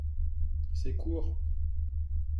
C’est court